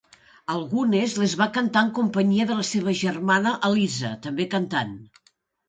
Algunes les va cantar en companyia de la seva germana Elisa, també cantant.